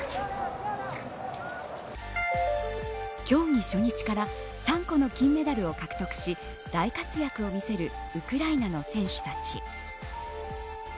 競技初日から３個の金メダルを獲得し大活躍を見せるウクライナの選手たち。